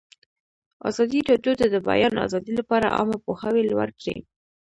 ازادي راډیو د د بیان آزادي لپاره عامه پوهاوي لوړ کړی.